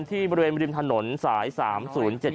ที่บริเวณริมถนนสาย๓๐๗๗